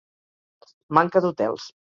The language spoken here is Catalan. Manca d’hotels.